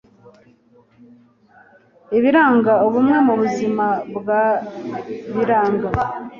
Ibiranga ubumwe mu buzima bwa biranga